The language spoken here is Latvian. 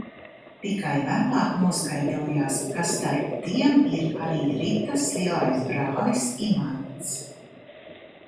Tikai vēlāk noskaidrojās, ka starp tiem ir arī Ritas lielais brālis Imants.